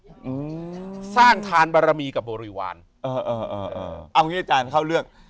อืมสร้างทานบารมีกับบริวารเออเออเออเอางี้อาจารย์เข้าเลือก